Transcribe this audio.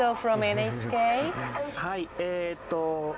はいえっと